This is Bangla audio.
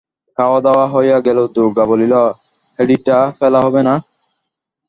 খাওয়া-দাওয়া হইয়া গেলে দুর্গা বলিল, হ্যাঁড়িটা ফেলা হবে না।